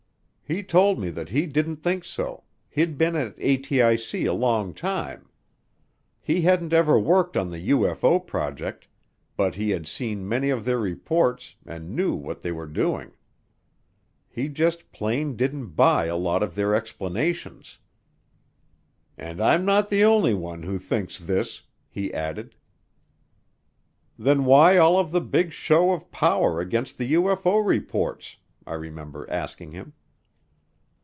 He told me that he didn't think so, he'd been at ATIC a long time. He hadn't ever worked on the UFO project, but he had seen many of their reports and knew what they were doing. He just plain didn't buy a lot of their explanations. "And I'm not the only one who thinks this," he added. "Then why all of the big show of power against the UFO reports?" I remember asking him.